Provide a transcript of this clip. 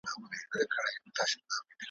بيا اختر به وي دفتحې ,